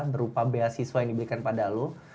berupa beasiswa yang diberikan pada lu